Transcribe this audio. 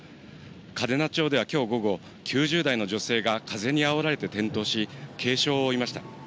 嘉手納町ではきょう午後、９０代の女性が風にあおられて転倒し、軽傷を負いました。